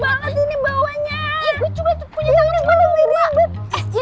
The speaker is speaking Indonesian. gua juga punya tangan yang berat